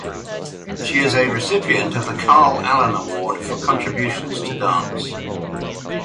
She is a recipient of the Carl Alan Award for contributions to dance.